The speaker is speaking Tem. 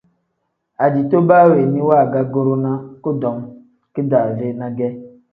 Ajito baa weeni wangaguurinaa kudom kidaave ne ge.